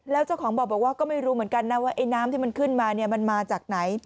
แล้วเจ้าของบ่อบอกว่าก็ไม่รู้เหมือนกันนะว่าไอ้น้ำที่มันขึ้นมาเนี่ยมันมาจากไหน